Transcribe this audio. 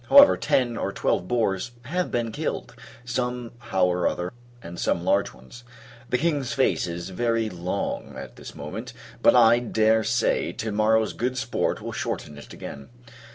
However, ten or twelve boars have been killed, some how or other, and some large ones. The King's face is very long, at this moment; but, I dare say, to morrow's good sport will shorten it again.